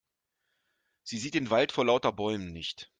Sie sieht den Wald vor lauter Bäumen nicht.